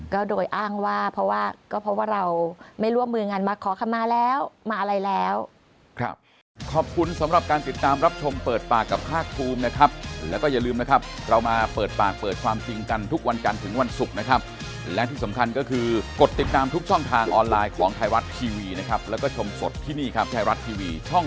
ก็โดยอ้างว่าเพราะว่าเราไม่ร่วมมืองันมาขอเข้ามาแล้วมาอะไรแล้ว